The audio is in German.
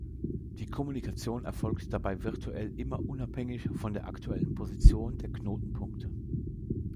Die Kommunikation erfolgt dabei virtuell immer unabhängig von der aktuellen Position der Knotenpunkte.